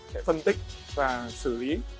để phân tích và xử lý